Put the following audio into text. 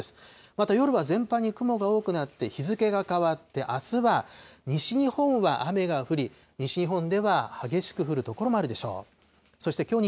また夜は全般に雲が多くなって、日付が変わって、あすは西日本は雨が降り、西日本では激しく降る所もあるでしょう。